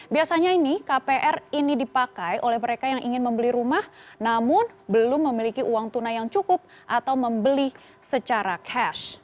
biasanya ini kpr ini dipakai oleh mereka yang ingin membeli rumah namun belum memiliki uang tunai yang cukup atau membeli secara cash